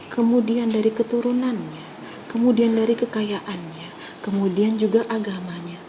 kemudian dari keturunannya kemudian dari kekayaannya kemudian juga agamanya